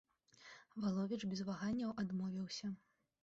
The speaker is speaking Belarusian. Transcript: Валовіч без ваганняў адмовіўся.